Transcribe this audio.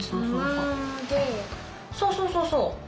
そうそうそうそう。